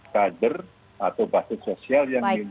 kader atau basis sosial